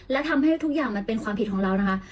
และทำให้ทุกอย่างมันเป็นความผิดของเรานะคะ